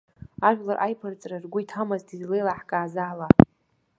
Ажәлар аиԥырҵра ргәы иҭамызт, излеилаҳкааз ала.